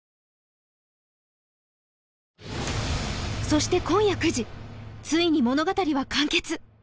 そして今夜９時ついに物語は完結